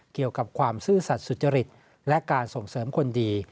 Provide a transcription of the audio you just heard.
เกี่ยวกับความซื่อสัตว์สุจริตและการส่งเสริมคนดี